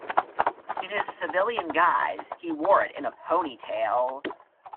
In his civilian guise, he wore it in a ponytail.